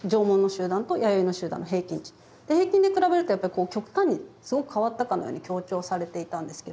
ある集団平均で比べると極端にすごく変わったかのように強調されていたんですけれど。